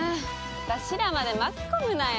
私らまで巻き込むなや。